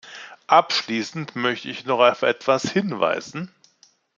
Abschließend möchte ich noch auf etwas hinweisen.